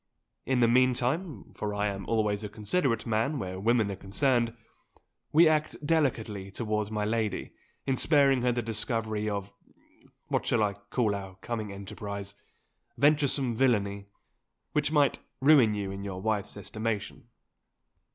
In the meantime (for I am always a considerate man where women are concerned) we act delicately towards my lady, in sparing her the discovery of what shall I call our coming enterprise? venturesome villainy, which might ruin you in your wife's estimation.